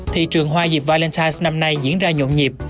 thị trường hoa dịp valentine năm nay diễn ra nhộn nhịp